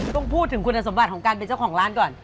ต้องพูดถึงคุณสมบัติของการเป็นเจ้าของร้านก่อน